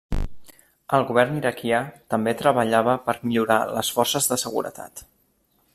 El govern iraquià també treballava per millorar les forces de seguretat.